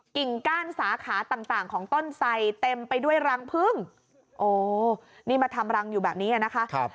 กิ่งก้านสาขาต่างของต้นไสเต็มไปด้วยรังพึ่งโอ้นี่มาทำรังอยู่แบบนี้นะคะ